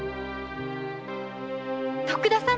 徳田様！